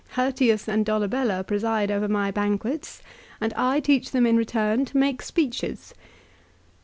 Hirtius and Dolabella preside over my banquets, and I teach them in return to make speeches."